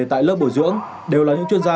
tại lớp bồi dưỡng đều là những chuyên gia